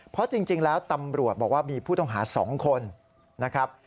เพราะจริงแล้วตำรวจบอกว่ามีผู้ต้องหา๒คนนะครับ